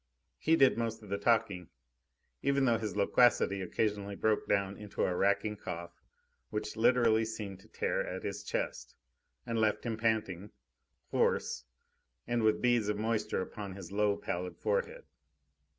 He did most of the talking, even though his loquacity occasionally broke down in a racking cough, which literally seemed to tear at his chest, and left him panting, hoarse, and with beads of moisture upon his low, pallid forehead.